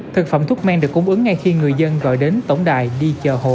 thực phẩm thuốc men được cung ứng ngay khi người dân gọi đến tổng đài đi chờ hồ